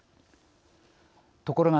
ところが